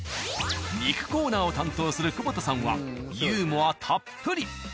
肉コーナーを担当する久保田さんはユーモアたっぷり。